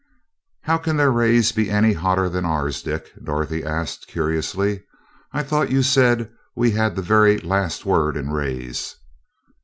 "How can their rays be any hotter than ours, Dick?" Dorothy asked curiously. "I thought you said we had the very last word in rays."